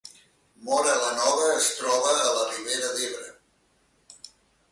Móra la Nova es troba a la Ribera d’Ebre